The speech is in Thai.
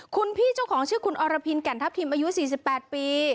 คุณพี่เจ้าของชื่อคุณอรพินแก่นทัพทิมอายุ๔๘ปี